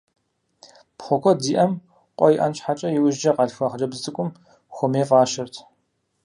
Пхъу куэд зиӀэм, къуэ иӀэн щхьэкӀэ, иужькӀэ къалъхуа хъыджэбз цӀыкӀум «Хуэмей» фӀащырт.